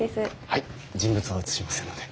はい人物は写しませんので。